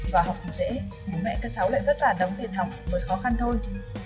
và học thì dễ mỗi mẹ các cháu lại vất vả đóng tiền học mới khó khăn thôi